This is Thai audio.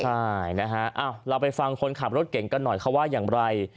ใช่นะฮะเราไปฟังคนขับรถเก่งกันหน่อยเขาว่าอย่างไร